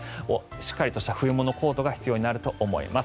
しっかりとした冬物のコートが必要になると思います。